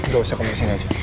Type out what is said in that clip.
gak usah aku disini aja